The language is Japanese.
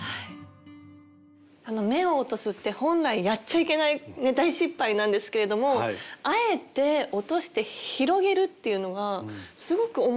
目を落とすって本来やっちゃいけない大失敗なんですけれどもあえて落として広げるっていうのがすごく面白いですよね。